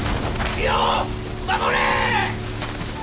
身を守れ！